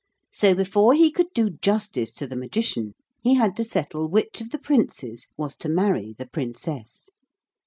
So before he could do justice to the Magician he had to settle which of the princes was to marry the Princess.